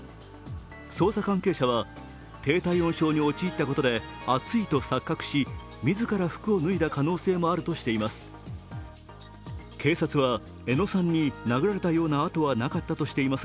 捜査関係者は低体温症に陥ったことで暑いと錯覚し自ら服を脱いだ可能性もあるとしています。